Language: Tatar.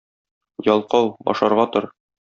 ялкау, ашарга тор